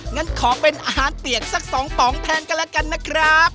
งั้นขอเป็นอาหารเปียกสัก๒ป๋องแทนกันแล้วกันนะครับ